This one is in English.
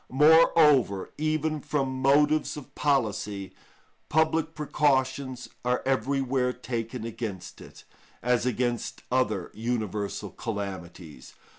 Moreover, even from motives of policy, public precautions are everywhere taken against it, as against other universal calamities.